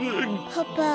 パパ。